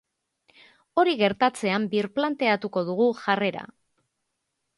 Hori gertatzean birplanteatuko dugu jarrera.